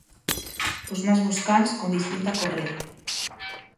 Os mesmos cans con distinta correa.